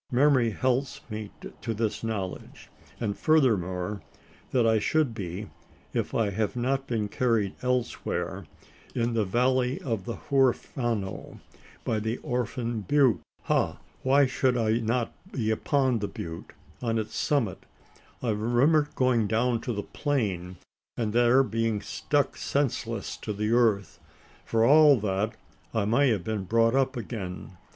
Memory helps me to this knowledge; and furthermore, that I should be, if I have not been carried elsewhere, in the valley of the Huerfano by the Orphan Butte. Ha! why should I not be upon the butte on its summit? I remember going down to the plain; and there being struck senseless to the earth. For all that, I may have been brought up again.